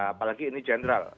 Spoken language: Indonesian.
apalagi ini jenderal